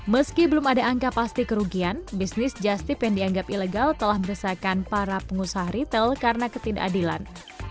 meski belum ada angka pasti kerugian bisnis justip yang dianggap ilegal telah meresahkan para pengusaha retail karena ketidakadilan